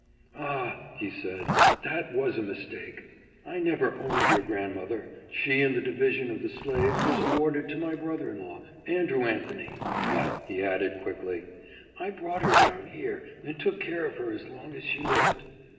"Ah !" he said, " that was a mis take, I never owned your grandmother ; she in the division of the slaves was awarded to my brother in law, Andrew Anthony ; but," he added quickly, " I brought her down here and took care of her as long as she lived."